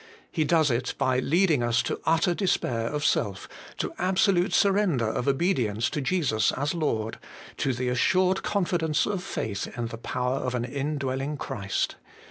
He does it by leading us to utter despair of self, to absolute surrender of obedience to Jesus as Lord, to the assured confidence of faith in the power of an indwelling Christ.